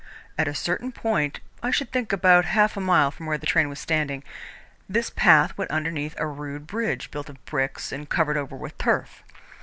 At a certain point I should think about half a mile from where the train was standing this path went underneath a rude bridge, built of bricks and covered over with turf.